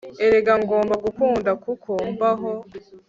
erega ngomba gukunda kuko mbaho